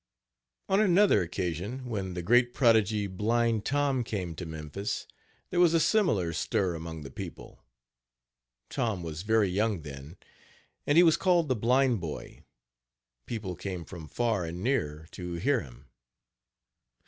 On another occasion, when the great prodigy, Page 78 Blind Tom, came to Memphis, there was a similar stir among the people. Tom was very young then, and he was called the Blind Boy. People came from far and near to hear him.